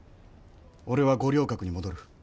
俺は五稜郭に戻る。